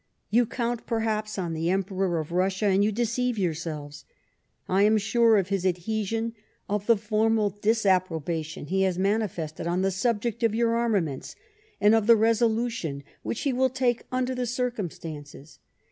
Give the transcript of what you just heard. You count, perhaps, on the Emperor of Russia, and you deceive yourselves. I am sure of his adliesion, of the formal disapprobation he has manifested on tlie subject of your arma ments, and of tlie resolution which he will take under the circumstances.